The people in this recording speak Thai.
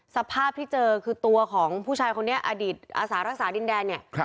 สภาพที่เจอคือตัวของผู้ชายคนนี้อดีตอาสารักษาดินแดนเนี่ย